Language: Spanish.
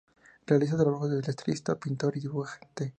Realiza trabajos de Letrista, pintor y dibujante.